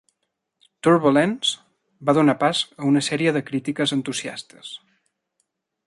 "Turbulence" va donar pas a una sèrie de crítiques entusiastes.